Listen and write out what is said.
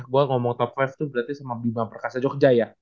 gue ngomong top lima tuh berarti sama bima perkasa jogja ya